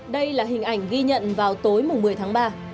đây là hình ảnh ghi nhận vào tối một mươi tháng ba